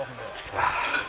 ああ。